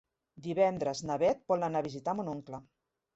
Divendres na Beth vol anar a visitar mon oncle.